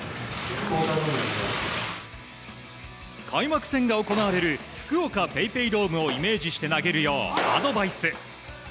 開幕戦が行われる福岡ＰａｙＰａｙドームをイメージして投げるようアドバイス。